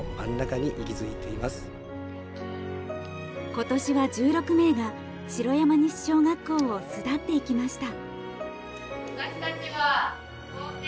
今年は１６名が城山西小学校を巣立っていきました。